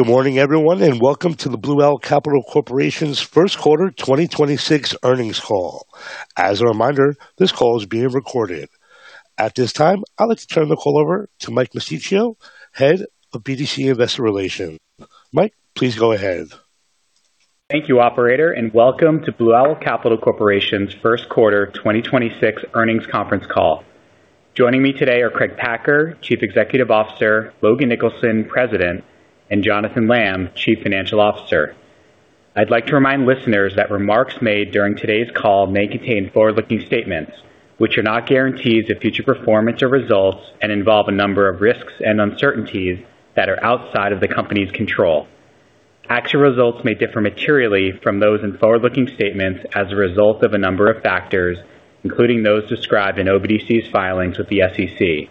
Good morning, everyone, and welcome to the Blue Owl Capital Corporation's first quarter 2026 earnings call. As a reminder, this call is being recorded. At this time, I'd like to turn the call over to Mike Mosticchio, Head of BDC Investor Relations. Mike, please go ahead. Thank you, operator, and welcome to Blue Owl Capital Corporation's first quarter 2026 earnings conference call. Joining me today are Craig Packer, Chief Executive Officer, Logan Nicholson, President, and Jonathan Lamm, Chief Financial Officer. I'd like to remind listeners that remarks made during today's call may contain forward-looking statements, which are not guarantees of future performance or results and involve a number of risks and uncertainties that are outside of the company's control. Actual results may differ materially from those in forward-looking statements as a result of a number of factors, including those described in OBDC's filings with the SEC.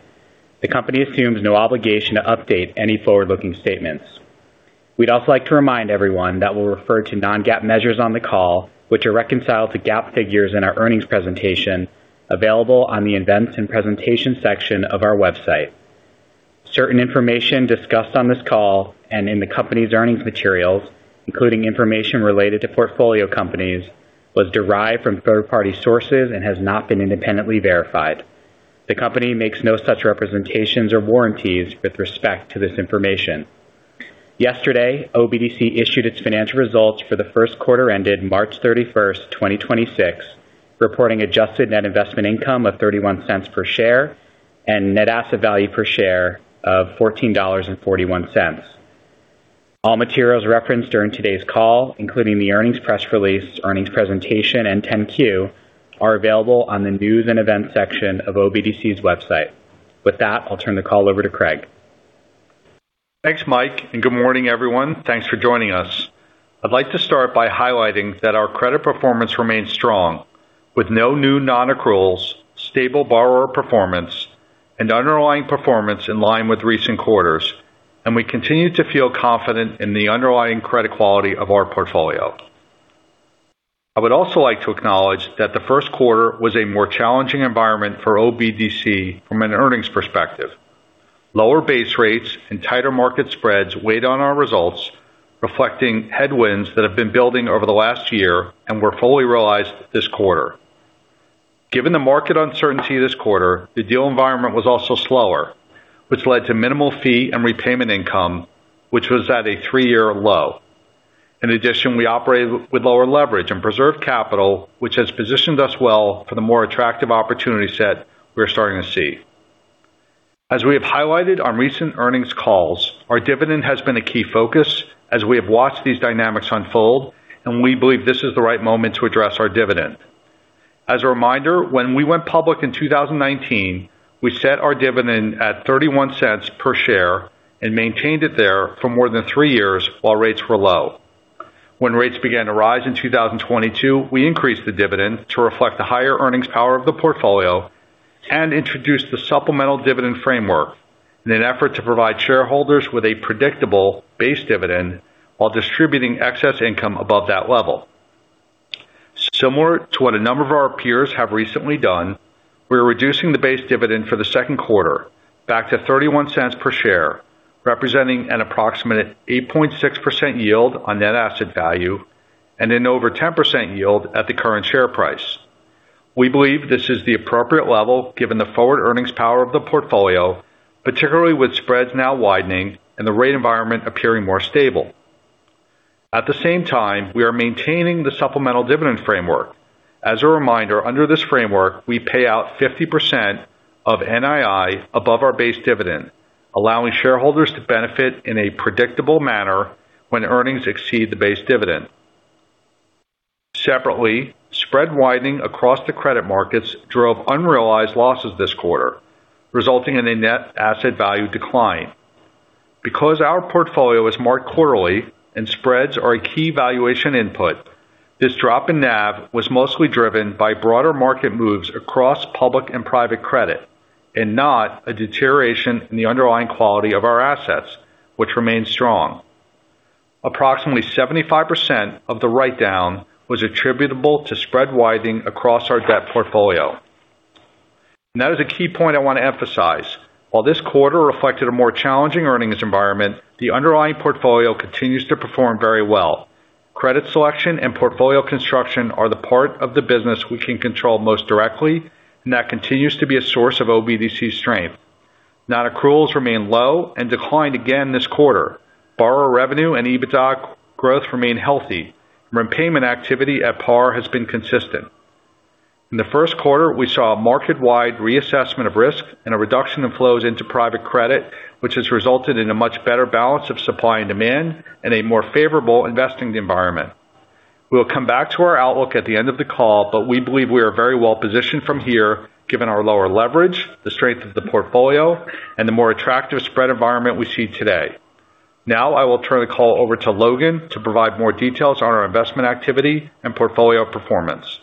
The company assumes no obligation to update any forward-looking statements. We'd also like to remind everyone that we'll refer to non-GAAP measures on the call, which are reconciled to GAAP figures in our earnings presentation available on the Events and Presentation section of our website. Certain information discussed on this call and in the company's earnings materials, including information related to portfolio companies, was derived from third-party sources and has not been independently verified. The company makes no such representations or warranties with respect to this information. Yesterday, OBDC issued its financial results for the first quarter ended March 31st, 2026, reporting adjusted net investment income of $0.31 per share and net asset value per share of $14.41. All materials referenced during today's call, including the earnings press release, earnings presentation, and 10-Q, are available on the News and Events section of OBDC's website. With that, I'll turn the call over to Craig. Thanks, Mike. Good morning, everyone. Thanks for joining us. I'd like to start by highlighting that our credit performance remains strong with no new non-accruals, stable borrower performance, and underlying performance in line with recent quarters. We continue to feel confident in the underlying credit quality of our portfolio. I would also like to acknowledge that the first quarter was a more challenging environment for OBDC from an earnings perspective. Lower base rates and tighter market spreads weighed on our results, reflecting headwinds that have been building over the last year and were fully realized this quarter. Given the market uncertainty this quarter, the deal environment was also slower, which led to minimal fee and repayment income, which was at a three-year low. In addition, we operated with lower leverage and preserved capital, which has positioned us well for the more attractive opportunity set we are starting to see. As we have highlighted on recent earnings calls, our dividend has been a key focus as we have watched these dynamics unfold, and we believe this is the right moment to address our dividend. As a reminder, when we went public in 2019, we set our dividend at $0.31 per share and maintained it there for more than three years while rates were low. When rates began to rise in 2022, we increased the dividend to reflect the higher earnings power of the portfolio and introduced the supplemental dividend framework in an effort to provide shareholders with a predictable base dividend while distributing excess income above that level. Similar to what a number of our peers have recently done, we're reducing the base dividend for the 2nd quarter back to $0.31 per share, representing an approximate 8.6% yield on net asset value and an over 10% yield at the current share price. We believe this is the appropriate level given the forward earnings power of the portfolio, particularly with spreads now widening and the rate environment appearing more stable. At the same time, we are maintaining the supplemental dividend framework. As a reminder, under this framework, we pay out 50% of NII above our base dividend, allowing shareholders to benefit in a predictable manner when earnings exceed the base dividend. Separately, spread widening across the credit markets drove unrealized losses this quarter, resulting in a net asset value decline. Because our portfolio is marked quarterly and spreads are a key valuation input, this drop in NAV was mostly driven by broader market moves across public and private credit and not a deterioration in the underlying quality of our assets, which remains strong. Approximately 75% of the write-down was attributable to spread widening across our debt portfolio. That is a key point I want to emphasize. While this quarter reflected a more challenging earnings environment, the underlying portfolio continues to perform very well. Credit selection and portfolio construction are the part of the business we can control most directly, and that continues to be a source of OBDC's strength. Non-accruals remain low and declined again this quarter. Borrower revenue and EBITDA growth remain healthy. Repayment activity at par has been consistent. In the first quarter, we saw a market-wide reassessment of risk and a reduction in flows into private credit, which has resulted in a much better balance of supply and demand and a more favorable investing environment. We'll come back to our outlook at the end of the call, but we believe we are very well positioned from here given our lower leverage, the strength of the portfolio, and the more attractive spread environment we see today. Now I will turn the call over to Logan to provide more details on our investment activity and portfolio performance.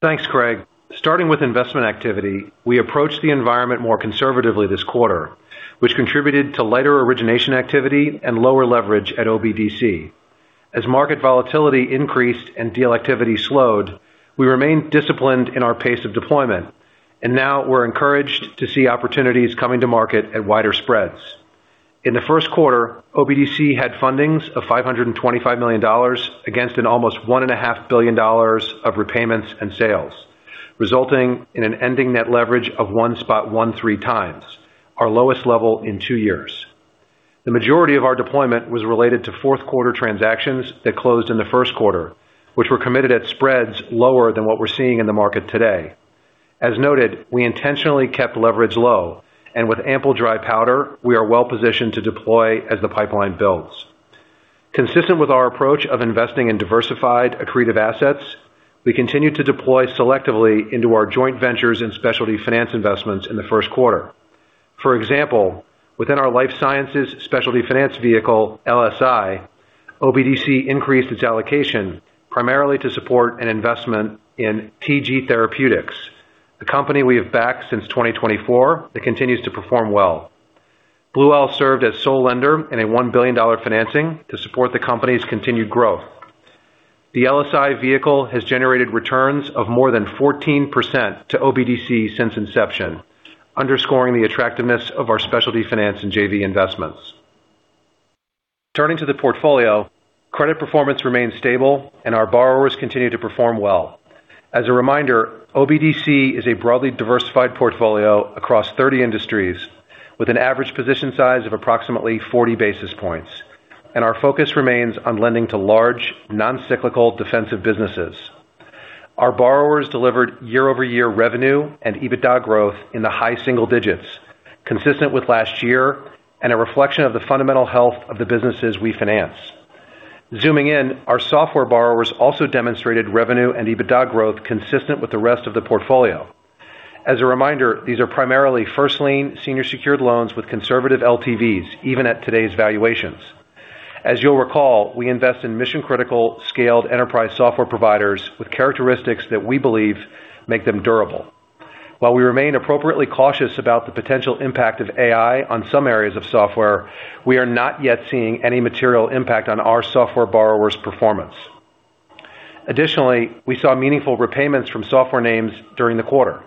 Thanks, Craig. Starting with investment activity, we approached the environment more conservatively this quarter, which contributed to lighter origination activity and lower leverage at OBDC. As market volatility increased and deal activity slowed, we remained disciplined in our pace of deployment, and now we're encouraged to see opportunities coming to market at wider spreads. In the first quarter, OBDC had fundings of $525 million against an almost $1.5 billion of repayments and sales, resulting in an ending net leverage of 1.13x, our lowest level in two years. The majority of our deployment was related to fourth quarter transactions that closed in the first quarter, which were committed at spreads lower than what we're seeing in the market today. As noted, we intentionally kept leverage low, and with ample dry powder, we are well-positioned to deploy as the pipeline builds. Consistent with our approach of investing in diversified, accretive assets, we continue to deploy selectively into our joint ventures and specialty finance investments in the first quarter. For example, within our life sciences specialty finance vehicle, LSI, OBDC increased its allocation primarily to support an investment in TG Therapeutics, the company we have backed since 2024 that continues to perform well. Blue Owl served as sole lender in a $1 billion financing to support the company's continued growth. The LSI vehicle has generated returns of more than 14% to OBDC since inception, underscoring the attractiveness of our specialty finance and JV investments. Turning to the portfolio, credit performance remains stable and our borrowers continue to perform well. As a reminder, OBDC is a broadly diversified portfolio across 30 industries with an average position size of approximately 40 basis points, and our focus remains on lending to large, non-cyclical defensive businesses. Our borrowers delivered year-over-year revenue and EBITDA growth in the high single digits, consistent with last year and a reflection of the fundamental health of the businesses we finance. Zooming in, our software borrowers also demonstrated revenue and EBITDA growth consistent with the rest of the portfolio. As a reminder, these are primarily first lien senior secured loans with conservative LTVs, even at today's valuations. As you'll recall, we invest in mission-critical, scaled enterprise software providers with characteristics that we believe make them durable. While we remain appropriately cautious about the potential impact of AI on some areas of software, we are not yet seeing any material impact on our software borrowers' performance. We saw meaningful repayments from software names during the quarter,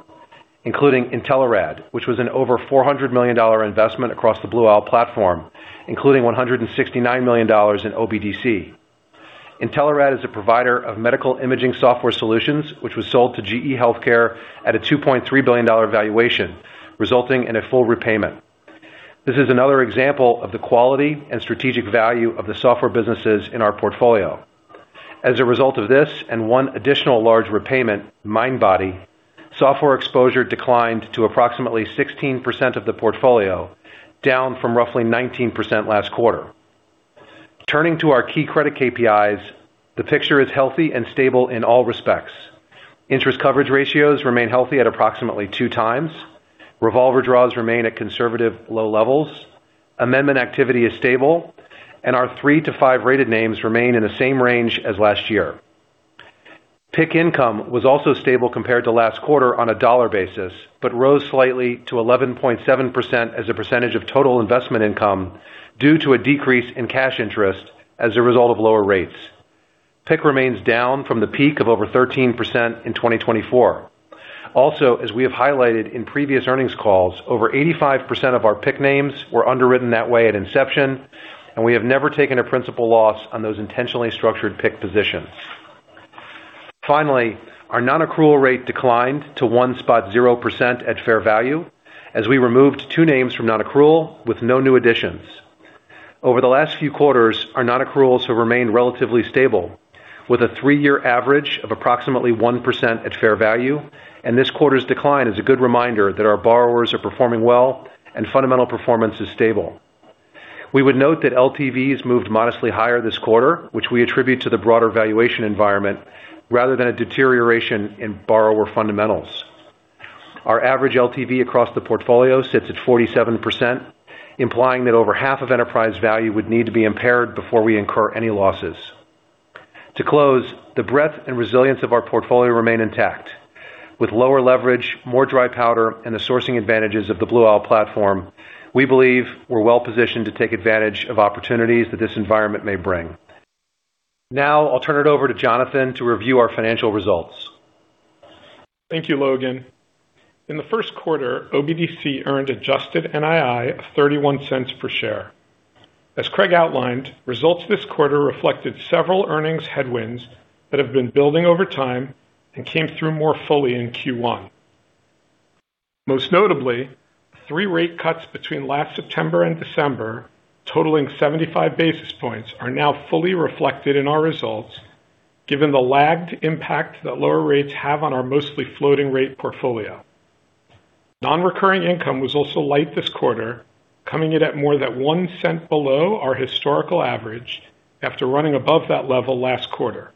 including Intelerad, which was an over $400 million investment across the Blue Owl platform, including $169 million in OBDC. Intelerad is a provider of medical imaging software solutions, which was sold to GE HealthCare at a $2.3 billion valuation, resulting in a full repayment. This is another example of the quality and strategic value of the software businesses in our portfolio. As a result of this and one additional large repayment, Mindbody, software exposure declined to approximately 16% of the portfolio, down from roughly 19% last quarter. Turning to our key credit KPIs, the picture is healthy and stable in all respects. Interest coverage ratios remain healthy at approximately 2x. Revolver draws remain at conservative low levels. Amendment activity is stable. Our three to five rated names remain in the same range as last year. PIK income was also stable compared to last quarter on a dollar basis but rose slightly to 11.7% as a percentage of total investment income due to a decrease in cash interest as a result of lower rates. PIK remains down from the peak of over 13% in 2024. As we have highlighted in previous earnings calls, over 85% of our PIK names were underwritten that way at inception, and we have never taken a principal loss on those intentionally structured PIK positions. Our non-accrual rate declined to 1.0% at fair value as we removed two names from non-accrual with no new additions. Over the last few quarters, our non-accruals have remained relatively stable with a three-year average of approximately 1% at fair value, and this quarter's decline is a good reminder that our borrowers are performing well and fundamental performance is stable. We would note that LTV has moved modestly higher this quarter, which we attribute to the broader valuation environment rather than a deterioration in borrower fundamentals. Our average LTV across the portfolio sits at 47%, implying that over half of enterprise value would need to be impaired before we incur any losses. To close, the breadth and resilience of our portfolio remain intact. With lower leverage, more dry powder, and the sourcing advantages of the Blue Owl platform, we believe we're well-positioned to take advantage of opportunities that this environment may bring. Now, I'll turn it over to Jonathan to review our financial results. Thank you, Logan. In the first quarter, OBDC earned adjusted NII of $0.31 per share. As Craig outlined, results this quarter reflected several earnings headwinds that have been building over time and came through more fully in Q1. Most notably, three rate cuts between last September and December, totaling 75 basis points, are now fully reflected in our results given the lagged impact that lower rates have on our mostly floating rate portfolio. Non-recurring income was also light this quarter, coming in at more than $0.01 below our historical average after running above that level last quarter.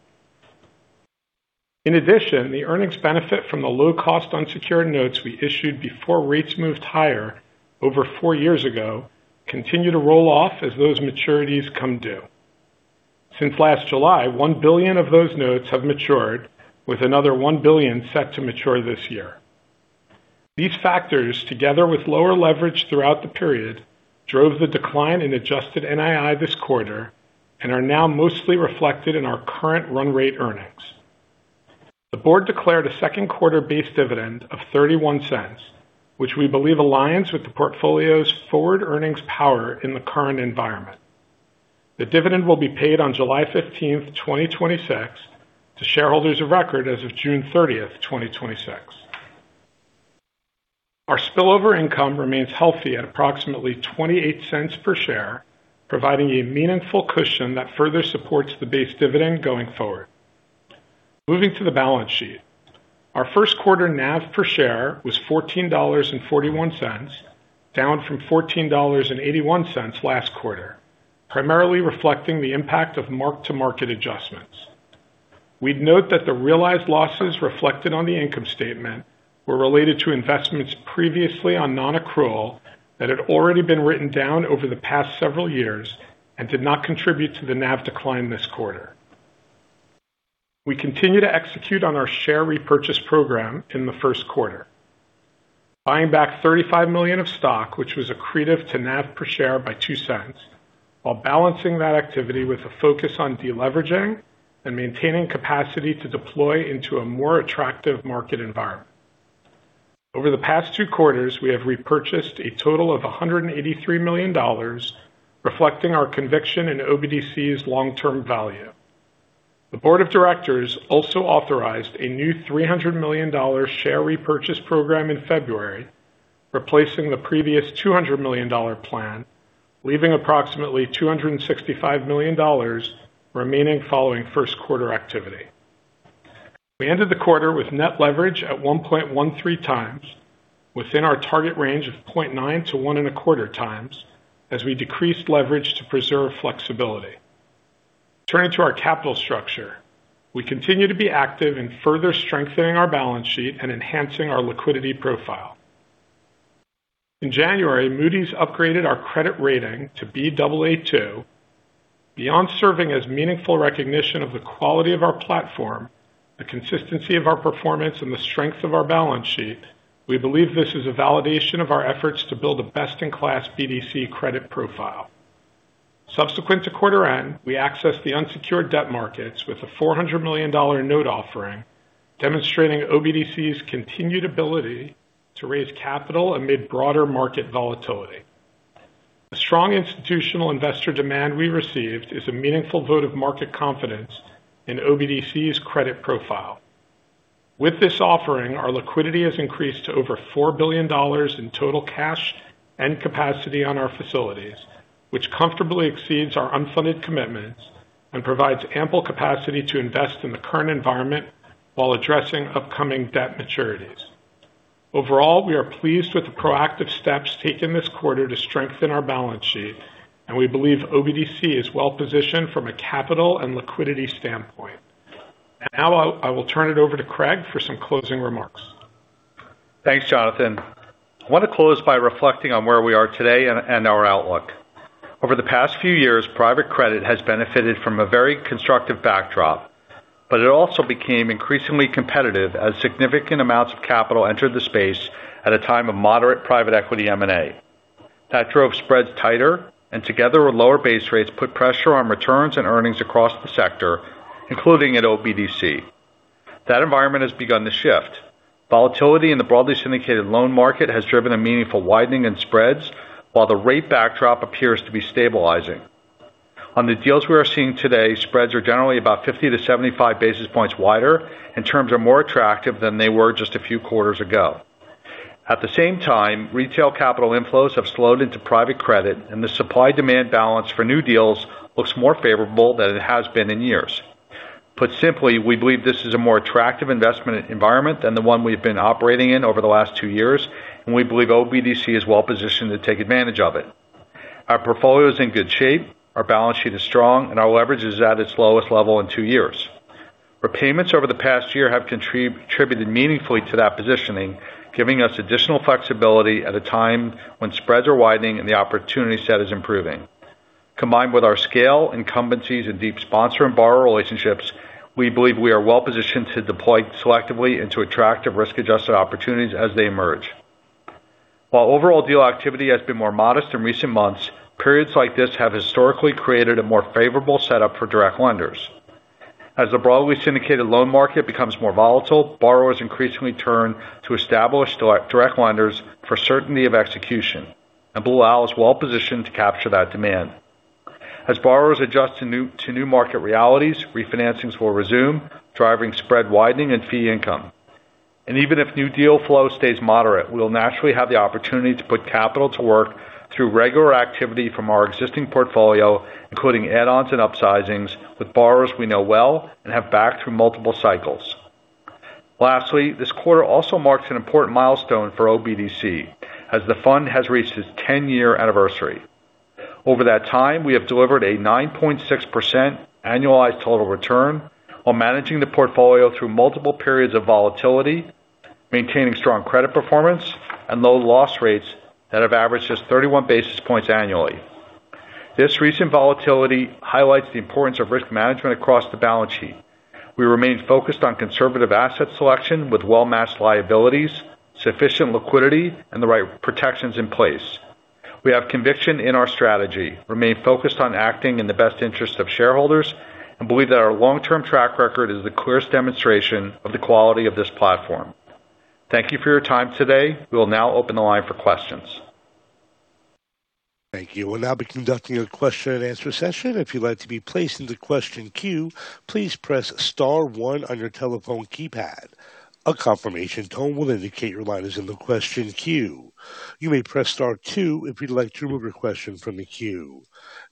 In addition, the earnings benefit from the low-cost unsecured notes we issued before rates moved higher over four years ago continue to roll off as those maturities come due. Since last July, $1 billion of those notes have matured with another $1 billion set to mature this year. These factors, together with lower leverage throughout the period, drove the decline in adjusted NII this quarter and are now mostly reflected in our current run rate earnings. The board declared a second quarter base dividend of $0.31, which we believe aligns with the portfolio's forward earnings power in the current environment. The dividend will be paid on July 15, 2026, to shareholders of record as of June 30, 2026. Our spillover income remains healthy at approximately $0.28 per share, providing a meaningful cushion that further supports the base dividend going forward. Moving to the balance sheet. Our first quarter NAV per share was $14.41, down from $14.81 last quarter, primarily reflecting the impact of mark-to-market adjustments. We'd note that the realized losses reflected on the income statement were related to investments previously on non-accrual that had already been written down over the past several years and did not contribute to the NAV decline this quarter. We continue to execute on our share repurchase program in the first quarter, buying back $35 million of stock, which was accretive to NAV per share by $0.02, while balancing that activity with a focus on deleveraging and maintaining capacity to deploy into a more attractive market environment. Over the past two quarters, we have repurchased a total of $183 million, reflecting our conviction in OBDC's long-term value. The Board of Directors also authorized a new $300 million share repurchase program in February, replacing the previous $200 million plan, leaving approximately $265 million remaining following first quarter activity. We ended the quarter with net leverage at 1.13x within our target range of 0.9x to 1.25x as we decreased leverage to preserve flexibility. Turning to our capital structure. We continue to be active in further strengthening our balance sheet and enhancing our liquidity profile. In January, Moody's upgraded our credit rating to Baa2. Beyond serving as meaningful recognition of the quality of our platform, the consistency of our performance, and the strength of our balance sheet, we believe this is a validation of our efforts to build a best-in-class OBDC credit profile. Subsequent to quarter end, we accessed the unsecured debt markets with a $400 million note offering, demonstrating OBDC's continued ability to raise capital amid broader market volatility. The strong institutional investor demand we received is a meaningful vote of market confidence in OBDC's credit profile. With this offering, our liquidity has increased to over $4 billion in total cash and capacity on our facilities, which comfortably exceeds our unfunded commitments and provides ample capacity to invest in the current environment while addressing upcoming debt maturities. Overall, we are pleased with the proactive steps taken this quarter to strengthen our balance sheet, and we believe OBDC is well positioned from a capital and liquidity standpoint. Now I will turn it over to Craig for some closing remarks. Thanks, Jonathan. I want to close by reflecting on where we are today and our outlook. Over the past few years, private credit has benefited from a very constructive backdrop, but it also became increasingly competitive as significant amounts of capital entered the space at a time of moderate private equity M&A. That drove spreads tighter, and together with lower base rates, put pressure on returns and earnings across the sector, including at OBDC. That environment has begun to shift. Volatility in the broadly syndicated loan market has driven a meaningful widening in spreads, while the rate backdrop appears to be stabilizing. On the deals we are seeing today, spreads are generally about 50-75 basis points wider and terms are more attractive than they were just a few quarters ago. At the same time, retail capital inflows have slowed into private credit, and the supply-demand balance for new deals looks more favorable than it has been in years. Put simply, we believe this is a more attractive investment environment than the one we've been operating in over the last two years, and we believe OBDC is well positioned to take advantage of it. Our portfolio is in good shape, our balance sheet is strong, and our leverage is at its lowest level in two years. Repayments over the past year have contributed meaningfully to that positioning, giving us additional flexibility at a time when spreads are widening and the opportunity set is improving. Combined with our scale, incumbencies, and deep sponsor and borrower relationships, we believe we are well positioned to deploy selectively into attractive risk-adjusted opportunities as they emerge. While overall deal activity has been more modest in recent months, periods like this have historically created a more favorable setup for direct lenders. As the broadly syndicated loan market becomes more volatile, borrowers increasingly turn to established direct lenders for certainty of execution, and Blue Owl is well positioned to capture that demand. As borrowers adjust to new market realities, refinancings will resume, driving spread widening and fee income. Even if new deal flow stays moderate, we'll naturally have the opportunity to put capital to work through regular activity from our existing portfolio, including add-ons and upsizings with borrowers we know well and have backed through multiple cycles. Lastly, this quarter also marks an important milestone for OBDC as the fund has reached its 10-year anniversary. Over that time, we have delivered a 9.6% annualized total return while managing the portfolio through multiple periods of volatility, maintaining strong credit performance and low loss rates that have averaged just 31 basis points annually. This recent volatility highlights the importance of risk management across the balance sheet. We remain focused on conservative asset selection with well-matched liabilities, sufficient liquidity, and the right protections in place. We have conviction in our strategy, remain focused on acting in the best interest of shareholders, and believe that our long-term track record is the clearest demonstration of the quality of this platform. Thank you for your time today. We will now open the line for questions. Thank you. We'll now be conducting a question-and-answer session. If you'd like to be placed in the question queue, please press star one on your telephone keypad. A confirmation tone will indicate your line is in the question queue. You may press star two if you'd like to remove a question from the queue.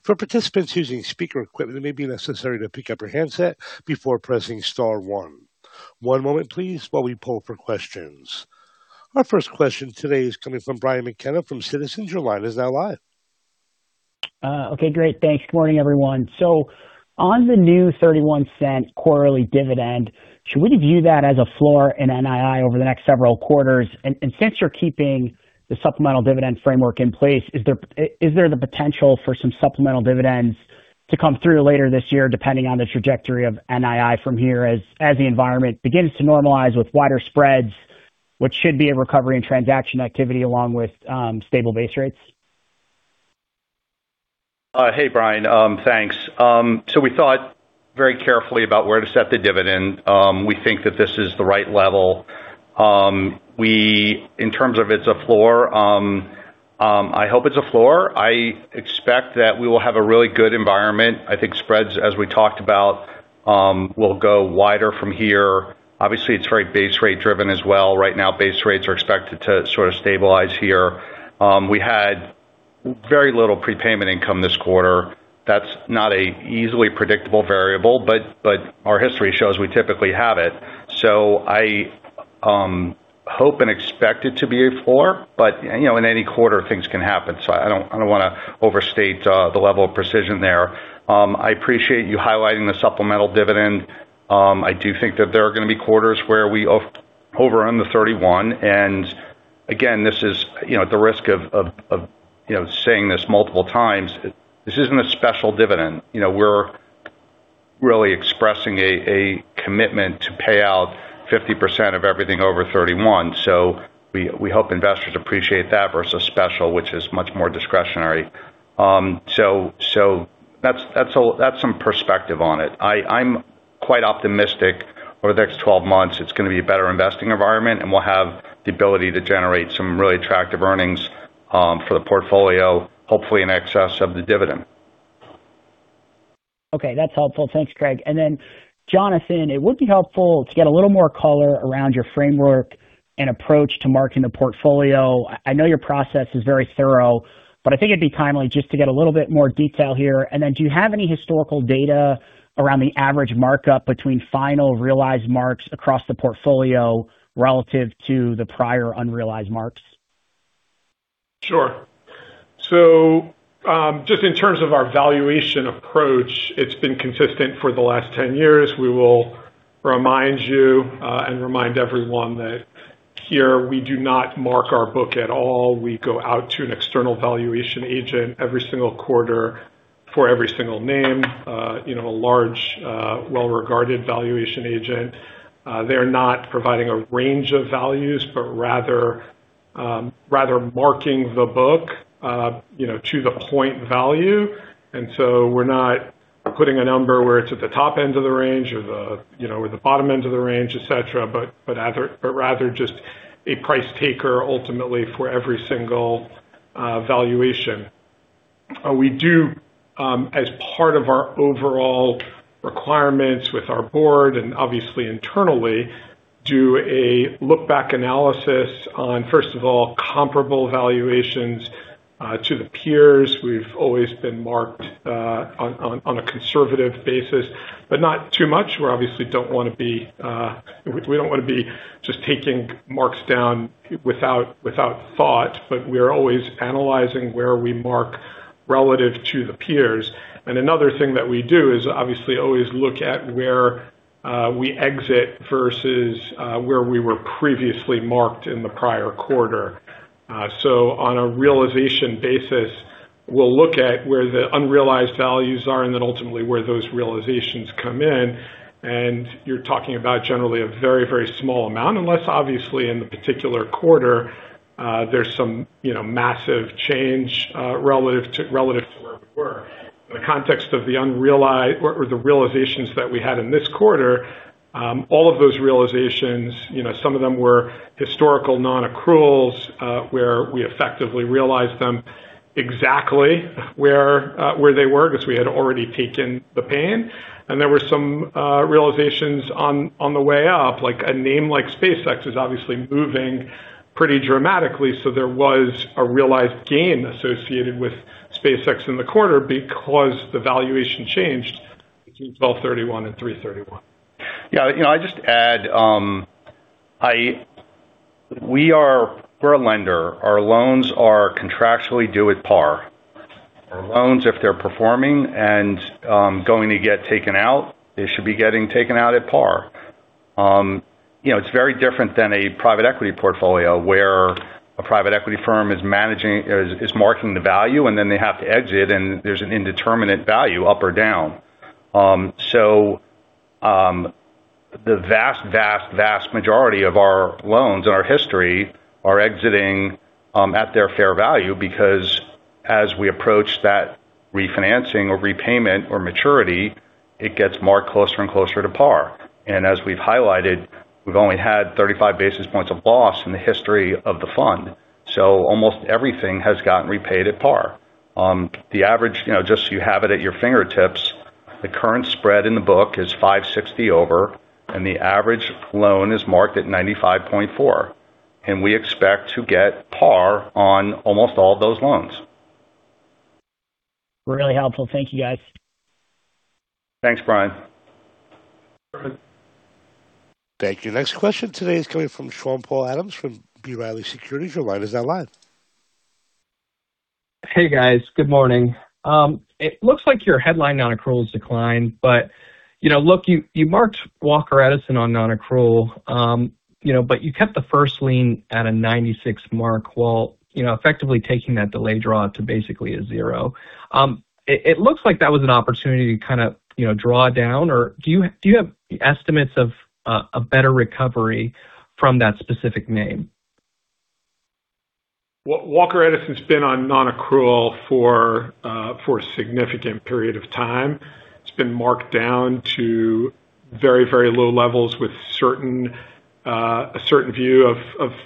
For participants using speaker equipment, it may be necessary to pick up your handset before pressing star one. One moment, please, while we poll for questions. Our first question today is coming from Brian McKenna from Citizens. Your line is now live. Okay, great. Thanks. Good morning, everyone. On the new $0.31 quarterly dividend, should we view that as a floor in NII over the next several quarters? Since you're keeping the supplemental dividend framework in place, is there the potential for some supplemental dividends to come through later this year depending on the trajectory of NII from here as the environment begins to normalize with wider spreads, what should be a recovery and transaction activity along with stable base rates? Hey, Brian. Thanks. We thought very carefully about where to set the dividend. We think that this is the right level. In terms of it's a floor, I hope it's a floor. I expect that we will have a really good environment. I think spreads, as we talked about, will go wider from here. Obviously, it's very base rate driven as well. Right now, base rates are expected to sort of stabilize here. We had very little prepayment income this quarter. That's not a easily predictable variable, but our history shows we typically have it. I hope and expect it to be a floor. You know, in any quarter things can happen. I don't wanna overstate the level of precision there. I appreciate you highlighting the supplemental dividend. I do think that there are gonna be quarters where we overrun the $0.31 and again, this is, you know, at the risk of, you know, saying this multiple times, this isn't a special dividend. You know, we're really expressing a commitment to pay out 50% of everything over $0.31. We hope investors appreciate that versus special, which is much more discretionary. That's some perspective on it. I'm quite optimistic over the next 12 months it's gonna be a better investing environment, and we'll have the ability to generate some really attractive earnings for the portfolio, hopefully in excess of the dividend. Okay. That's helpful. Thanks, Craig. Jonathan, it would be helpful to get a little more color around your framework and approach to marking the portfolio. I know your process is very thorough, but I think it'd be timely just to get a little bit more detail here. Do you have any historical data around the average markup between final realized marks across the portfolio relative to the prior unrealized marks? Sure. Just in terms of our valuation approach, it's been consistent for the last 10 years. We will remind you, and remind everyone that here we do not mark our book at all. We go out to an external valuation agent every single quarter for every single name. You know, a large, well-regarded valuation agent. They're not providing a range of values, but rather marking the book, you know, to the point value. We're not putting a number where it's at the top end of the range or the, you know, or the bottom end of the range, et cetera, but rather just a price taker ultimately for every single valuation. We do as part of our overall requirements with our board and obviously internally, do a look back analysis on, first of all, comparable valuations to the peers. We've always been marked on a conservative basis, but not too much. We obviously don't wanna be just taking marks down without thought, but we are always analyzing where we mark relative to the peers. Another thing that we do is obviously always look at where we exit versus where we were previously marked in the prior quarter. On a realization basis, we'll look at where the unrealized values are and then ultimately where those realizations come in. You're talking about generally a very, very small amount, unless obviously in the particular quarter, there's some, you know, massive change, relative to where we were. In the context of the unrealized or the realizations that we had in this quarter, all of those realizations, you know, some of them were historical non-accruals, where we effectively realized them exactly where they were because we had already taken the pain. There were some realizations on the way up, like a name like SpaceX is obviously moving pretty dramatically. There was a realized gain associated with SpaceX in the quarter because the valuation changed between 12/31 and 3/31. Yeah. You know, I'd just add, we're a lender. Our loans are contractually due at par. Our loans, if they're performing and going to get taken out, they should be getting taken out at par. You know, it's very different than a private equity portfolio where a private equity firm is marking the value and then they have to exit and there's an indeterminate value up or down. The vast, vast majority of our loans in our history are exiting at their fair value because as we approach that refinancing or repayment or maturity, it gets more closer and closer to par. As we've highlighted, we've only had 35 basis points of loss in the history of the fund. Almost everything has gotten repaid at par. The average, you know, just so you have it at your fingertips, the current spread in the book is 560 over, and the average loan is marked at 95.4. We expect to get par on almost all of those loans. Really helpful. Thank you, guys. Thanks, Brian. Thank you. Next question today is coming from Sean-Paul Adams from B. Riley Securities. Your line is now live. Hey, guys. Good morning. It looks like your headline non-accruals declined, but, you know, look, you marked Walker Edison on non-accrual, you know, but you kept the first lien at a 96% mark while, you know, effectively taking that delayed draw to basically a zero. It looks like that was an opportunity to kinda, you know, draw down or do you, do you have estimates of a better recovery from that specific name? Well, Walker Edison's been on non-accrual for a significant period of time. It's been marked down to very, very low levels with certain, a certain view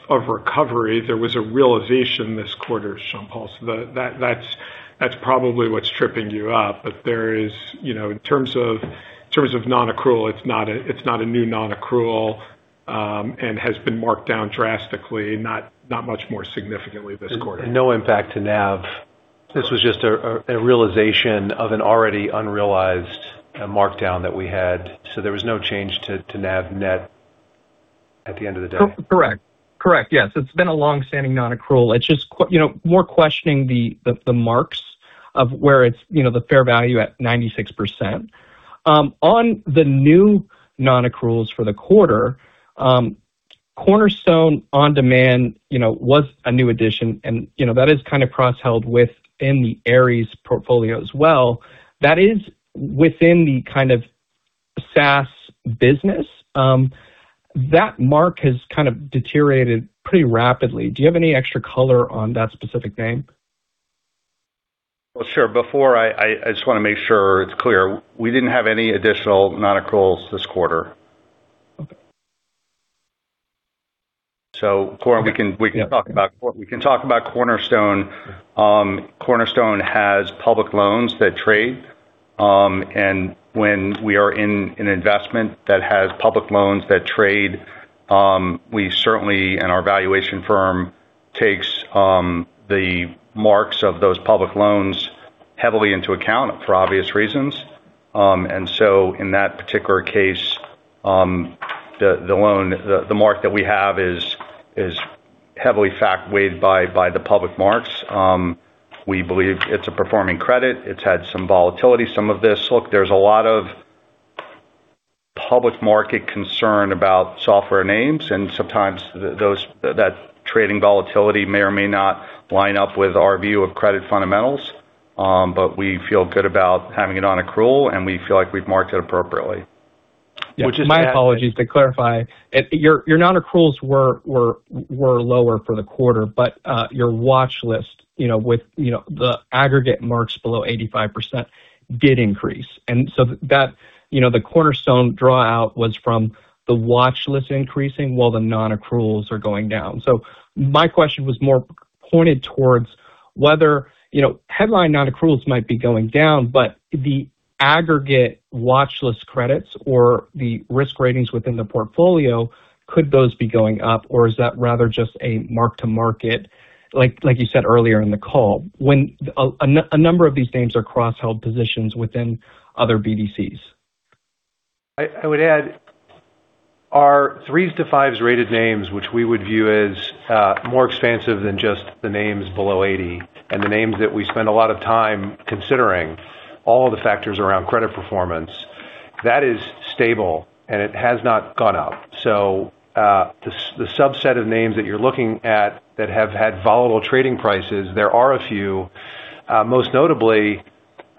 of recovery. There was a realization this quarter, Sean-Paul. That's probably what's tripping you up. There is, you know, in terms of non-accrual, it's not a new non-accrual, and has been marked down drastically, not much more significantly this quarter. No impact to NAV. This was just a realization of an already unrealized markdown that we had. There was no change to NAV net at the end of the day. Correct. Correct. Yes. It's been a long-standing non-accrual. It's just you know, more questioning the, the marks of where it's, you know, the fair value at 96%. On the new non-accruals for the quarter, Cornerstone OnDemand, you know, was a new addition and, you know, that is kind of cross-held within the Ares portfolio as well. That is within the kind of SaaS business. That mark has kind of deteriorated pretty rapidly. Do you have any extra color on that specific name? Well, sure. Before I just wanna make sure it's clear. We didn't have any additional non-accruals this quarter. Okay. We can talk about Cornerstone. Cornerstone has public loans that trade. When we are in an investment that has public loans that trade, we certainly and our valuation firm takes the marks of those public loans heavily into account for obvious reasons. In that particular case, the loan, the mark that we have is heavily weighed by the public marks. We believe it's a performing credit. It's had some volatility. Look, there's a lot of public market concern about software names and sometimes that trading volatility may or may not line up with our view of credit fundamentals. We feel good about having it on accrual, and we feel like we've marked it appropriately. Yeah. My apologies to clarify. Your, your non-accruals were lower for the quarter, but your watchlist, you know, with, you know, the aggregate marks below 85% did increase. That, you know, the Cornerstone draw out was from the watchlist increasing while the non-accruals are going down. My question was more pointed towards whether, you know, headline non-accruals might be going down, but the aggregate watchlist credits or the risk ratings within the portfolio, could those be going up or is that rather just a mark-to-market, like you said earlier in the call, when a number of these names are cross-held positions within other BDCs? I would add our three to five rated names, which we would view as more expansive than just the names below 80% and the names that we spend a lot of time considering all the factors around credit performance. That is stable and it has not gone up. The subset of names that you're looking at that have had volatile trading prices, there are a few, most notably,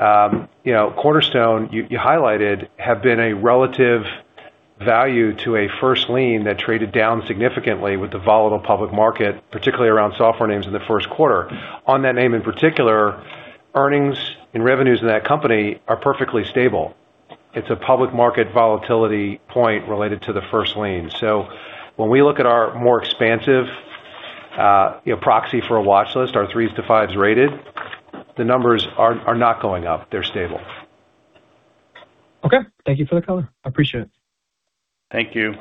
you know, Cornerstone, you highlighted, have been a relative value to a first lien that traded down significantly with the volatile public market, particularly around software names in the first quarter. On that name in particular, earnings and revenues in that company are perfectly stable. It's a public market volatility point related to the first lien. When we look at our more expansive, you know, proxy for a watchlist, our three to five rated, the numbers are not going up. They're stable. Okay. Thank you for the color. I appreciate it. Thank you.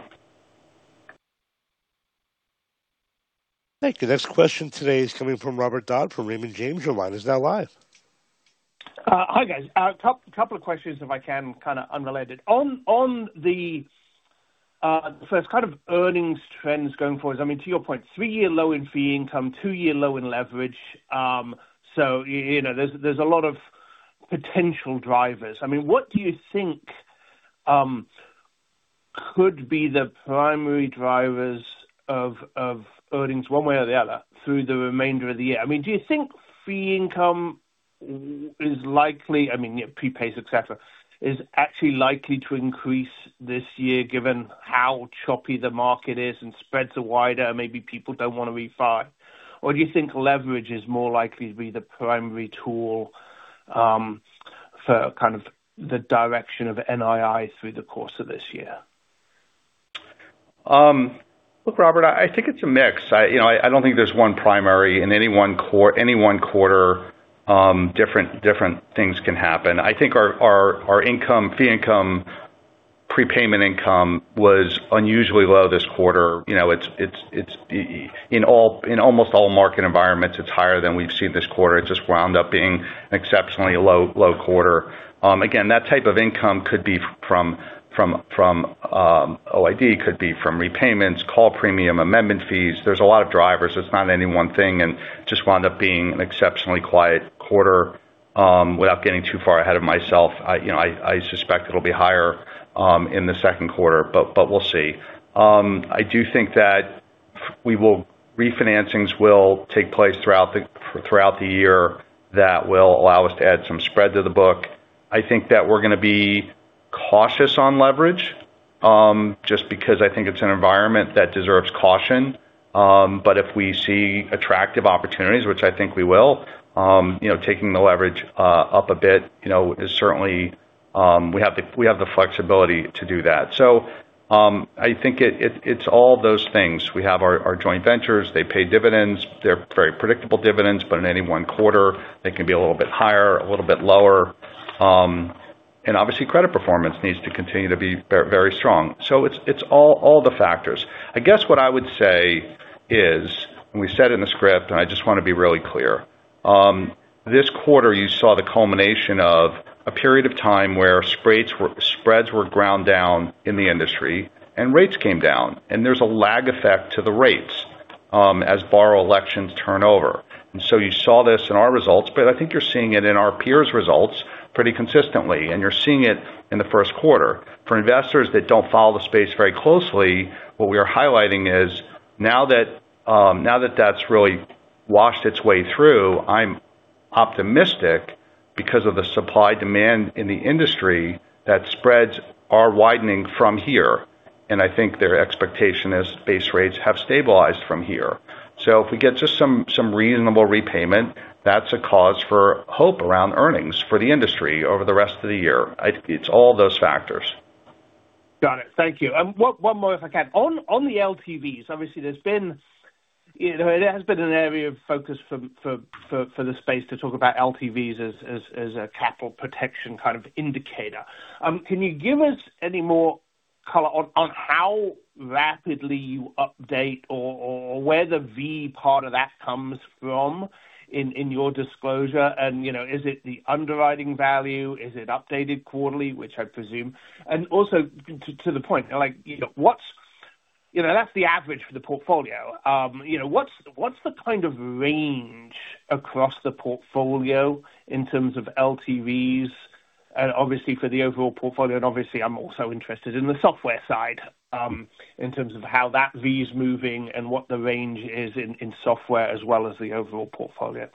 Thank you. Next question today is coming from Robert Dodd from Raymond James. Your line is now live. Hi, guys. Couple of questions, if I can, kinda unrelated. On the, so it's kind of earnings trends going forward. I mean, to your point, three-year low in fee income, two-year low in leverage. You know, there's a lot of potential drivers. I mean, what do you think could be the primary drivers of earnings one way or the other through the remainder of the year? I mean, do you think fee income is likely, I mean, prepays, et cetera, is actually likely to increase this year given how choppy the market is and spreads are wider, maybe people don't wanna refi? Do you think leverage is more likely to be the primary tool for kind of the direction of NII through the course of this year? Look, Robert, I think it's a mix. I, you know, I don't think there's one primary in any one quarter, different things can happen. I think our income, fee income, prepayment income was unusually low this quarter. You know, in almost all market environments, it's higher than we've seen this quarter. It just wound up being an exceptionally low quarter. Again, that type of income could be from OID, could be from repayments, call premium, amendment fees. There's a lot of drivers. It's not any one thing, just wound up being an exceptionally quiet quarter. Without getting too far ahead of myself, I, you know, I suspect it'll be higher in the second quarter, we'll see. I do think that Refinancings will take place throughout the year that will allow us to add some spread to the book. I think that we're gonna be cautious on leverage, just because I think it's an environment that deserves caution. But if we see attractive opportunities, which I think we will, you know, taking the leverage up a bit, you know, is certainly, we have the flexibility to do that. I think it's all those things. We have our joint ventures. They pay dividends. They're very predictable dividends, but in any one quarter they can be a little bit higher, a little bit lower. Obviously credit performance needs to continue to be very strong. It's all the factors. I guess what I would say is, and we said in the script, and I just want to be really clear, this quarter you saw the culmination of a period of time where spreads were ground down in the industry and rates came down, and there's a lag effect to the rates, as borrow elections turn over. You saw this in our results, but I think you're seeing it in our peers results pretty consistently, and you're seeing it in the first quarter. For investors that don't follow the space very closely, what we are highlighting is now that, now that that's really washed its way through, I'm optimistic because of the supply-demand in the industry that spreads are widening from here. I think their expectation is base rates have stabilized from here. If we get just some reasonable repayment, that's a cause for hope around earnings for the industry over the rest of the year. I think it's all those factors. Got it. Thank you. One more if I can. On the LTVs, obviously there's been you know, it has been an area of focus for the space to talk about LTVs as a capital protection kind of indicator. Can you give us any more color on how rapidly you update or where the V part of that comes from in your disclosure? Is it the underwriting value? Is it updated quarterly, which I presume? Also to the point, like, you know, that's the average for the portfolio? You know, what's the kind of range across the portfolio in terms of LTVs, obviously for the overall portfolio, and obviously I'm also interested in the software side, in terms of how that V is moving and what the range is in software as well as the overall portfolio?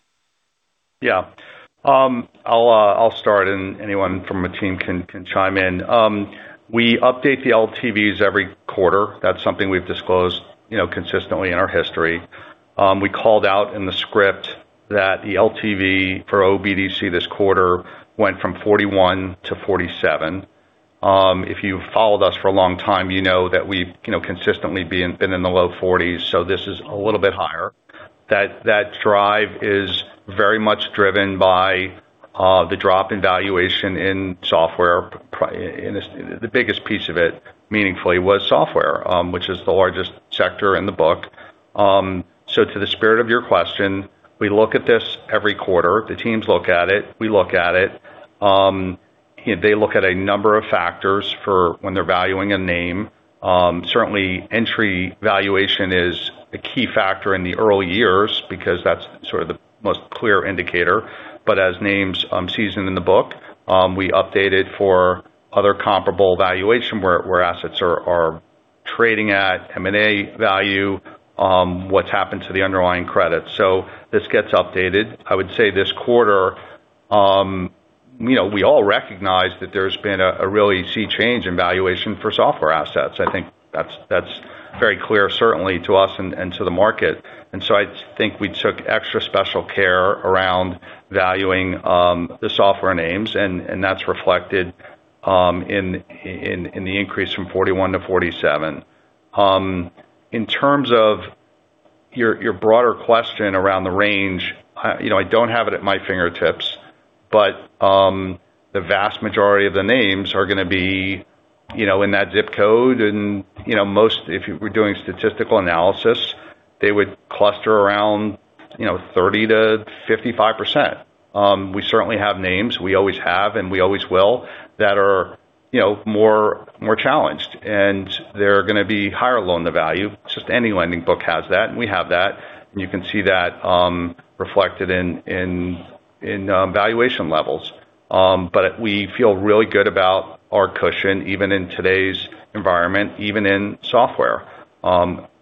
I'll start and anyone from my team can chime in. We update the LTVs every quarter. That's something we've disclosed, you know, consistently in our history. We called out in the script that the LTV for OBDC this quarter went from 41-47. If you've followed us for a long time, you know that we've, you know, consistently been in the low 40s, this is a little bit higher. That drive is very much driven by the drop in valuation in software. The biggest piece of it meaningfully was software, which is the largest sector in the book. To the spirit of your question, we look at this every quarter. The teams look at it. We look at it. They look at a number of factors for when they're valuing a name. Certainly entry valuation is a key factor in the early years because that's sort of the most clear indicator. As names, season in the book, we update it for other comparable valuation where assets are trading at M&A value, what's happened to the underlying credit. This gets updated. I would say this quarter, you know, we all recognize that there's been a really sea change in valuation for software assets. I think that's very clear certainly to us and to the market. I think we took extra special care around valuing the software names, and that's reflected in the increase from 41-47. In terms of your broader question around the range, you know, I don't have it at my fingertips, but the vast majority of the names are gonna be, you know, in that zip code. You know, most if you were doing statistical analysis, they would cluster around, you know, 30%-55%. We certainly have names, we always have and we always will, that are, you know, more, more challenged, and they're gonna be higher loan to value. Just any lending book has that, and we have that. You can see that reflected in valuation levels. We feel really good about our cushion, even in today's environment, even in software.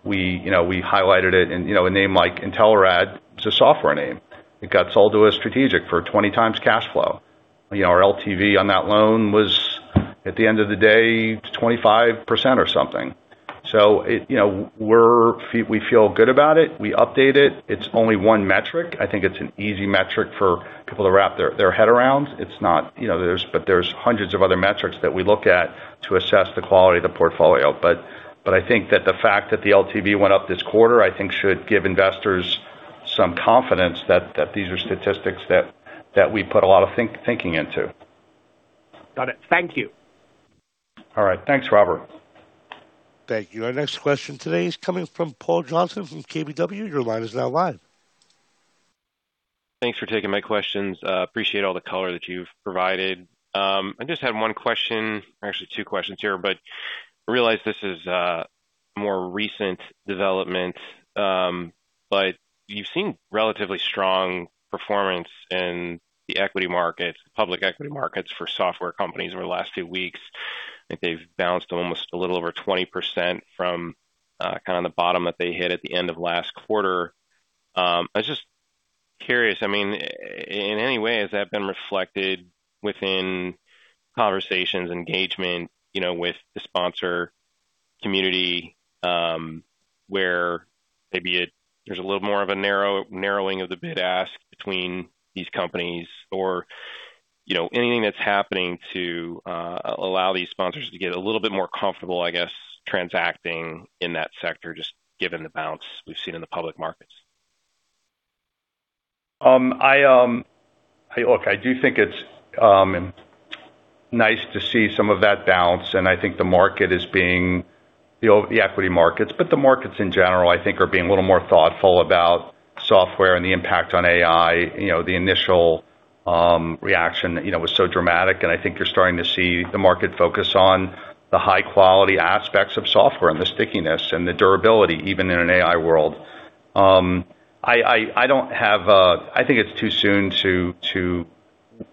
We, you know, we highlighted it in, you know, a name like Intelerad is a software name. It got sold to a strategic for 20x cash flow. You know, our LTV on that loan was, at the end of the day, 25% or something. You know, we feel good about it. We update it. It's only one metric. I think it's an easy metric for people to wrap their head around. There's hundreds of other metrics that we look at to assess the quality of the portfolio. I think that the fact that the LTV went up this quarter, I think should give investors some confidence that these are statistics that we put a lot of thinking into. Got it. Thank you. All right. Thanks, Robert. Thank you. Our next question today is coming from Paul Johnson from KBW. Your line is now live. Thanks for taking my questions. Appreciate all the color that you've provided. I just had one question, or actually two questions here, but I realize this is a more recent development. You've seen relatively strong performance in the equity markets, public equity markets for software companies over the last two weeks. I think they've bounced almost a little over 20% from, kind of the bottom that they hit at the end of last quarter. I was just curious, I mean, in any way, has that been reflected within conversations, engagement, you know, with the sponsor community, where maybe there's a little more of a narrowing of the bid-ask between these companies or, you know, anything that's happening to allow these sponsors to get a little bit more comfortable, I guess, transacting in that sector, just given the bounce we've seen in the public markets? Hey, look, I do think it's nice to see some of that bounce. I think the market is being, you know, the equity markets, but the markets in general, I think, are being a little more thoughtful about software and the impact on AI. You know, the initial reaction, you know, was so dramatic, I think you're starting to see the market focus on the high-quality aspects of software and the stickiness and the durability, even in an AI world. I think it's too soon to,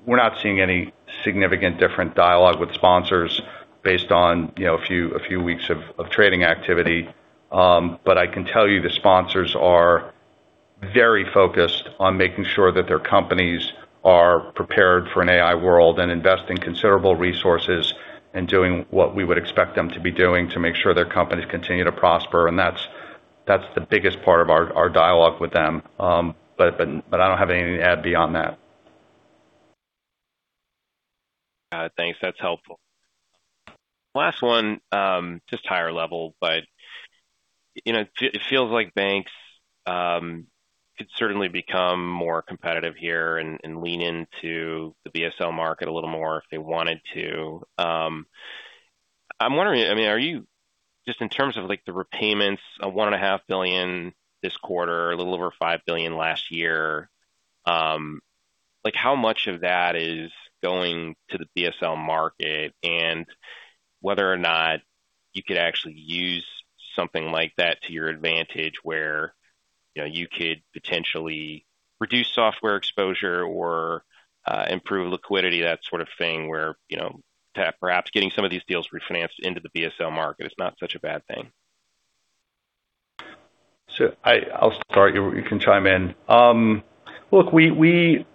we're not seeing any significant different dialogue with sponsors based on, you know, a few weeks of trading activity. I can tell you the sponsors are very focused on making sure that their companies are prepared for an AI world and investing considerable resources and doing what we would expect them to be doing to make sure their companies continue to prosper. That's the biggest part of our dialogue with them. I don't have anything to add beyond that. Thanks. That's helpful. Last one, just higher level, but, you know, it feels like banks, could certainly become more competitive here and lean into the BSL market a little more if they wanted to. I'm wondering, I mean, are you just in terms of like the repayments of one and a half billion this quarter, a little over $5 billion last year, like how much of that is going to the BSL market? Whether or not you could actually use something like that to your advantage where, you know, you could potentially reduce software exposure or, improve liquidity, that sort of thing, where, you know, perhaps getting some of these deals refinanced into the BSL market is not such a bad thing. I'll start. You can chime in. Look, we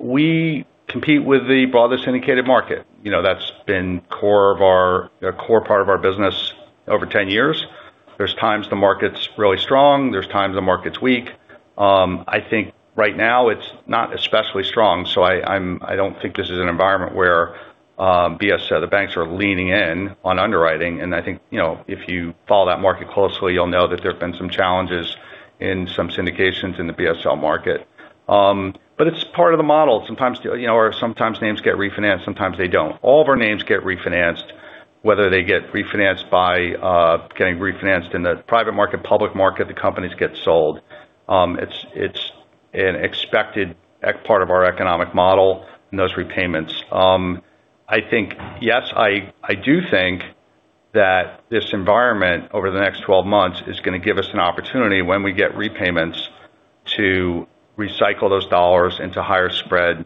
compete with the broader syndicated market. You know, that's been a core part of our business over 10 years. There's times the market's really strong, there's times the market's weak. I think right now it's not especially strong. I don't think this is an environment where BSL, the banks are leaning in on underwriting. I think, you know, if you follow that market closely, you'll know that there have been some challenges in some syndications in the BSL market. It's part of the model. Sometimes, you know, sometimes names get refinanced, sometimes they don't. All of our names get refinanced, whether they get refinanced by getting refinanced in the private market, public market, the companies get sold. It's an expected part of our economic model and those repayments. I think, yes, I do think that this environment over the next 12 months is gonna give us an opportunity when we get repayments to recycle those dollars into higher spread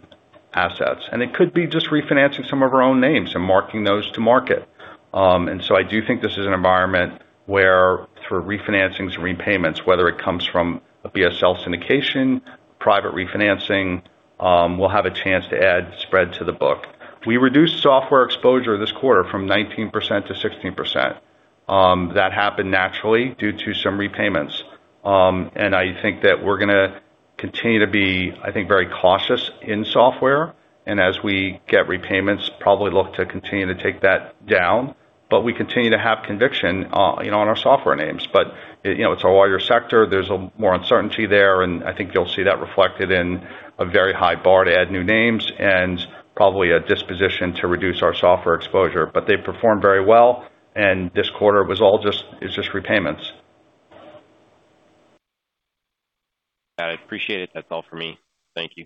assets. It could be just refinancing some of our own names and marking those to market. I do think this is an environment where through refinancings and repayments, whether it comes from a BSL syndication, private refinancing, we'll have a chance to add spread to the book. We reduced software exposure this quarter from 19% to 16%. That happened naturally due to some repayments. I think that we're gonna continue to be, I think, very cautious in software. As we get repayments, probably look to continue to take that down. We continue to have conviction, you know, on our software names. You know, it's a wider sector. There's more uncertainty there, and I think you'll see that reflected in a very high bar to add new names and probably a disposition to reduce our software exposure. They performed very well, and this quarter was just repayments. I appreciate it. That's all for me. Thank you.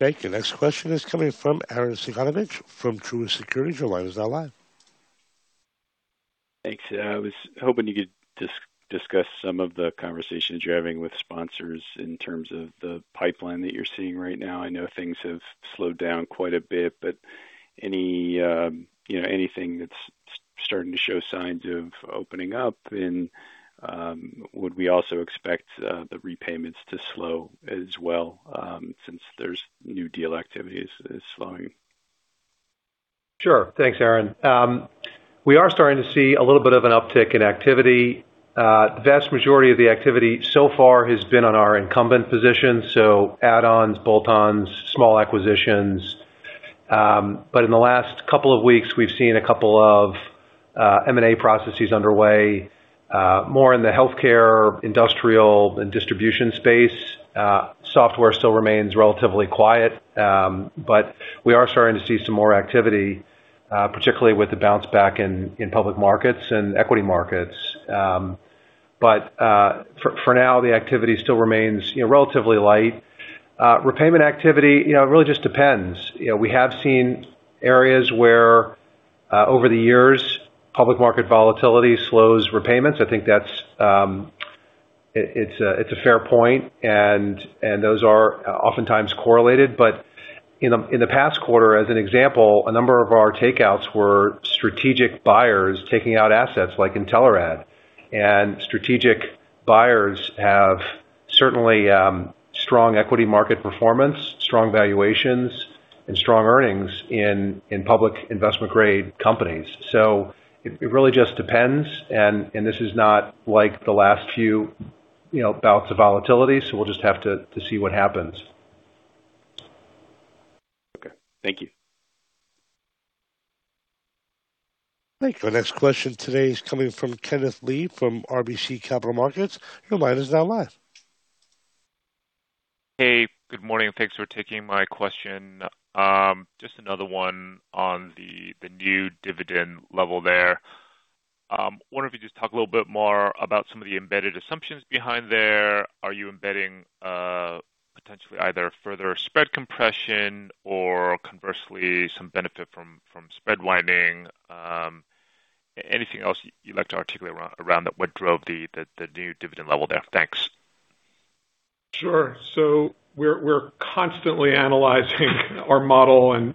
Thank you. Next question is coming from Arren Cyganovich from Truist Securities. Your line is now live. Thanks. I was hoping you could discuss some of the conversations you're having with sponsors in terms of the pipeline that you're seeing right now. I know things have slowed down quite a bit, but any, you know, anything that's starting to show signs of opening up. Would we also expect the repayments to slow as well, since there's new deal activity is slowing? Sure. Thanks, Arren. We are starting to see a little bit of an uptick in activity. The vast majority of the activity so far has been on our incumbent position, so add-ons, bolt-ons, small acquisitions. In the last couple of weeks, we've seen a couple of M&A processes underway, more in the healthcare, industrial, and distribution space. Software still remains relatively quiet. We are starting to see some more activity, particularly with the bounce back in public markets and equity markets. For now, the activity still remains, you know, relatively light. Repayment activity, you know, it really just depends. You know, we have seen areas where, over the years, public market volatility slows repayments. I think that's it's a fair point, and those are oftentimes correlated. In the past quarter, as an example, a number of our takeouts were strategic buyers taking out assets like Intelerad. Strategic buyers have certainly strong equity market performance, strong valuations, and strong earnings in public investment-grade companies. It really just depends. This is not like the last few, you know, bouts of volatility, so we'll just have to see what happens. Okay. Thank you. Thank you. Our next question today is coming from Kenneth Lee from RBC Capital Markets. Your line is now live. Hey, good morning, and thanks for taking my question. Just another one on the new dividend level there. Wonder if you could just talk a little bit more about some of the embedded assumptions behind there. Are you embedding potentially either further spread compression or conversely some benefit from spread widening? Anything else you'd like to articulate around what drove the new dividend level there? Thanks. Sure. We're constantly analyzing our model and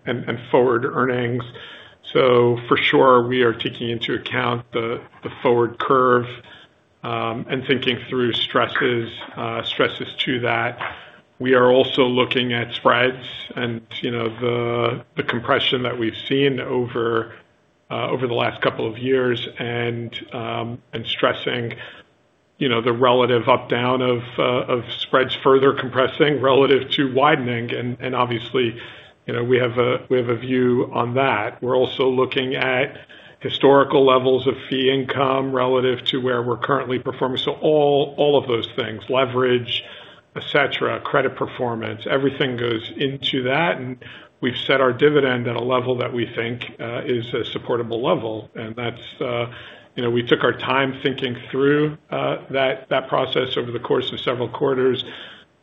forward earnings. For sure we are taking into account the forward curve and thinking through stresses to that. We are also looking at spreads and, you know, the compression that we've seen over the last couple of years and stressing, you know, the relative up/down of spreads further compressing relative to widening. Obviously, you know, we have a view on that. We're also looking at historical levels of fee income relative to where we're currently performing. All of those things, leverage, et cetera, credit performance, everything goes into that. We've set our dividend at a level that we think is a supportable level. That's, you know, we took our time thinking through that process over the course of several quarters.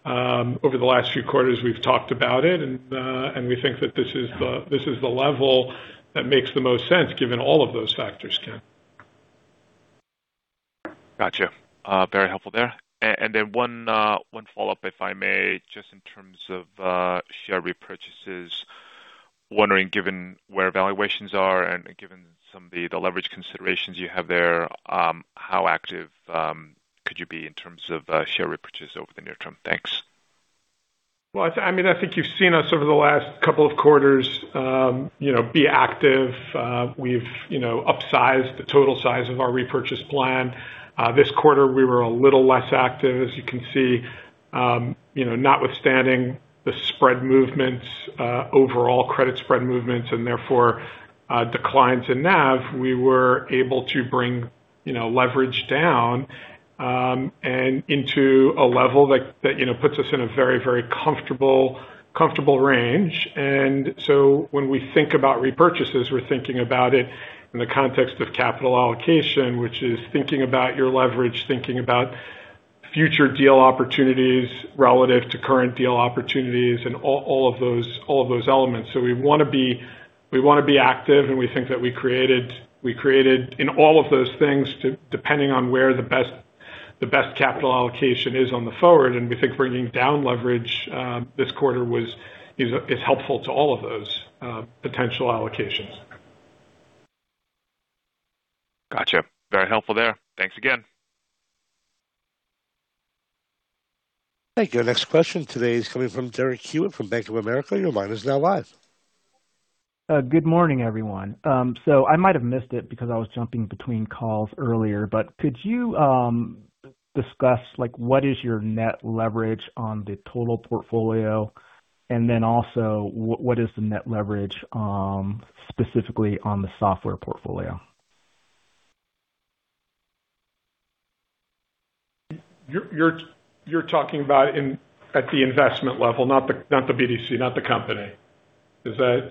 Over the last few quarters, we've talked about it, and we think that this is the level that makes the most sense given all of those factors, Ken. Gotcha. Very helpful there. Then one follow-up, if I may, just in terms of share repurchases. Wondering, given where valuations are and given some of the leverage considerations you have there, how active could you be in terms of share repurchase over the near term? Thanks. Well, I mean, I think you've seen us over the last couple of quarters, you know, be active. We've, you know, upsized the total size of our repurchase plan. This quarter, we were a little less active, as you can see. You know, notwithstanding the spread movements, overall credit spread movements and therefore, declines in NAV, we were able to bring, you know, leverage down and into a level that, you know, puts us in a very comfortable range. When we think about repurchases, we're thinking about it in the context of capital allocation, which is thinking about your leverage, thinking about future deal opportunities relative to current deal opportunities and all of those elements. We wanna be active, and we think that we created in all of those things depending on where the best capital allocation is on the forward. We think bringing down leverage this quarter is helpful to all of those potential allocations. Gotcha. Very helpful there. Thanks again. Thank you. Our next question today is coming from Derek Hewett from Bank of America. Your line is now live. Good morning, everyone. I might have missed it because I was jumping between calls earlier, but could you discuss, like, what is your net leverage on the total portfolio? What is the net leverage specifically on the software portfolio? You're talking about at the investment level, not the BDC, not the company. Is that? That's correct. Just to make sure. Okay. Yeah.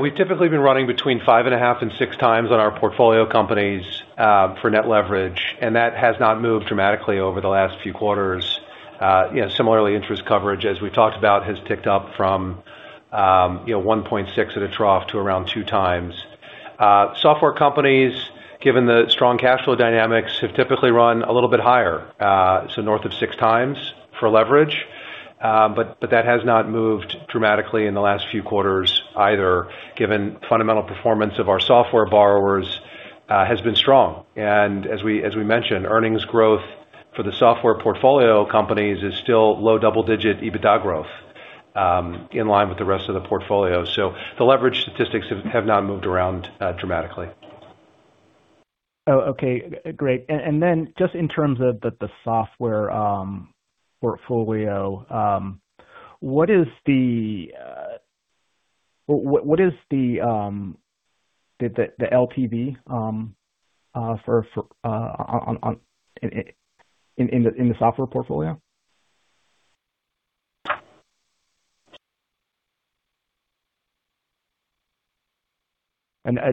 We've typically been running between 5.5x and 6x on our portfolio companies for net leverage, that has not moved dramatically over the last few quarters. You know, similarly, interest coverage, as we talked about, has ticked up from, you know, 1.6x at a trough to around 2x. Software companies, given the strong cash flow dynamics, have typically run a little bit higher, so north of 6x for leverage. That has not moved dramatically in the last few quarters either, given fundamental performance of our software borrowers has been strong. As we mentioned, earnings growth for the software portfolio companies is still low double-digit EBITDA growth in line with the rest of the portfolio. The leverage statistics have not moved around dramatically. Oh, okay. Great. Then just in terms of the software portfolio, what is the LTV for on in the software portfolio?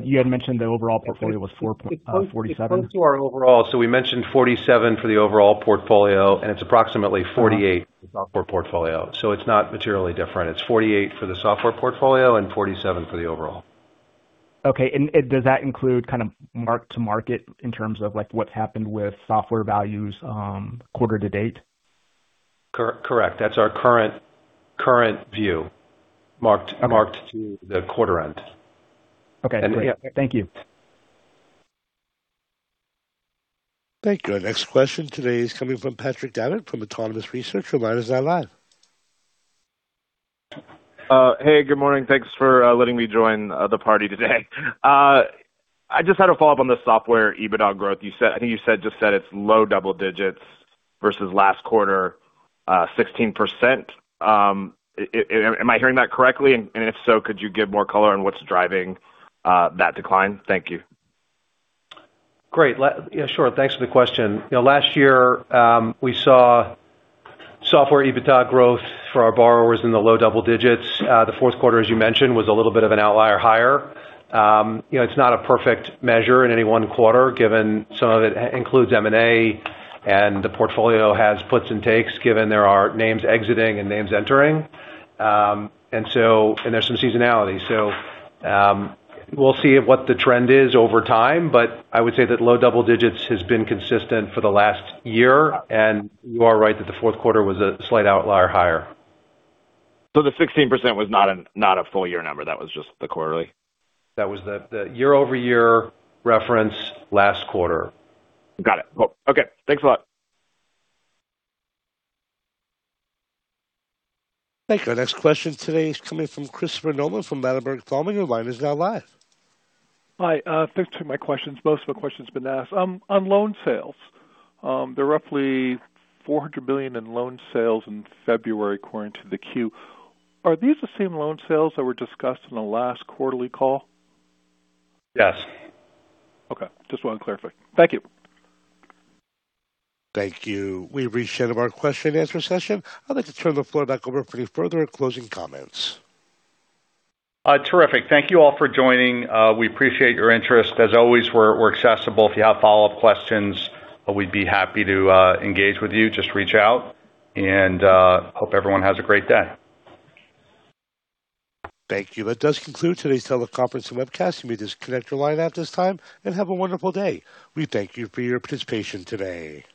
You had mentioned the overall portfolio was 47. It's close to our overall. We mentioned 47 for the overall portfolio, and it's approximately 48 for software portfolio. It's not materially different. It's 48 for the software portfolio and 47 for the overall. Okay. Does that include kind of mark-to-market in terms of like what's happened with software values, quarter to date? Correct. That's our current view. Okay. Marked to the quarter end. Okay, great. Yeah. Thank you. Thank you. Our next question today is coming from Patrick Davitt from Autonomous Research. Your line is now live. Hey, good morning. Thanks for letting me join the party today. I just had a follow-up on the software EBITDA growth. I think you said it's low double digits versus last quarter, 16%. Am I hearing that correctly? If so, could you give more color on what's driving that decline? Thank you. Great. Yeah, sure. Thanks for the question. You know, last year, we saw software EBITDA growth for our borrowers in the low double digits. The fourth quarter, as you mentioned, was a little bit of an outlier higher. You know, it's not a perfect measure in any one quarter given some of it includes M&A, and the portfolio has puts and takes given there are names exiting and names entering. There's some seasonality. We'll see what the trend is over time, but I would say that low double digits has been consistent for the last year. You are right that the fourth quarter was a slight outlier higher. The 16% was not a full-year number. That was just the quarterly. That was the year-over-year reference last quarter. Got it. Okay. Thanks a lot. Thank you. Our next question today is coming from Christopher Nolan from Ladenburg Thalmann. Your line is now live. Hi. Thanks for taking my questions. Most of my questions have been asked. On loan sales. There are roughly $400 billion in loan sales in February according to the Q. Are these the same loan sales that were discussed in the last quarterly call? Yes. Okay, just want to clarify. Thank you. Thank you. We've reached the end of our question-and-answer session. I'd like to turn the floor back over for any further closing comments. Terrific. Thank you all for joining. We appreciate your interest. As always, we're accessible. If you have follow-up questions, we'd be happy to engage with you. Just reach out. Hope everyone has a great day. Thank you. That does conclude today's teleconference and webcast. You may disconnect your line at this time, and have a wonderful day. We thank you for your participation today.